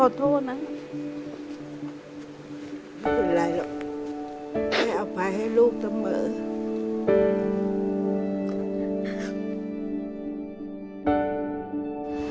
ได้อภัยให้ลูกต่อมือ